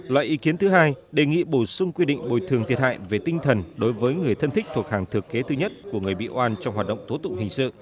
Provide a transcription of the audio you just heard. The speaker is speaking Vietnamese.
loại ý kiến thứ hai đề nghị bổ sung quy định bồi thường thiệt hại về tinh thần đối với người thân thích thuộc hàng thực kế thứ nhất của người bị oan trong hoạt động tố tụng hình sự